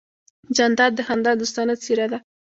جانداد د خندا دوستانه څېرہ ده.